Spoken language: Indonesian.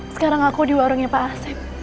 sekarang aku di warungnya pak asep